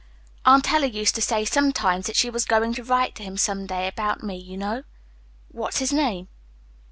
Aunt Ella used to say sometimes that she was going to write to him some day about me, you know." "What's his name?"